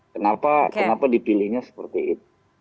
kenapa dipilihnya seperti itu